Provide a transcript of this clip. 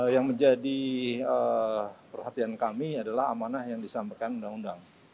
yang menjadi perhatian kami adalah amanah yang disampaikan undang undang